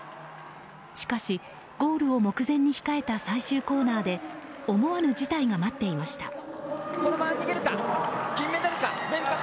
しかし、ゴールを目前に控えた最終コーナーで思わぬ事態が待っていました。